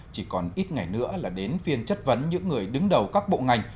chỉ còn ít ngày nữa là đến phiên chất vấn những người đứng đầu các bộ ngành